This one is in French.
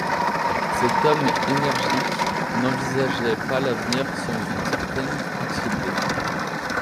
Cet homme énergique n’envisageait pas l’avenir sans une certaine anxiété.